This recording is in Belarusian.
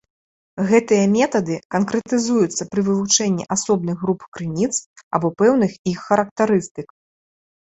Гэтыя метады канкрэтызуюцца пры вывучэнні асобных груп крыніц, або пэўных іх характарыстык.